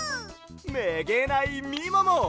めげないみもも！